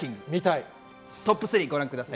トップ３ご覧ください。